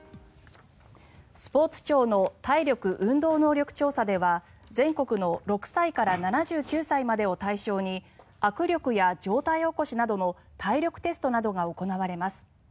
スポーツ庁の体力・運動能力調査では全国の６歳から７９歳までを対象に握力や上体起こしなどの体力テストなどが行われます。